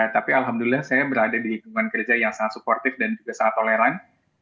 tapi alhamdulillah saya berada di lingkungan kerja yang sangat supportif dan juga sangat toleran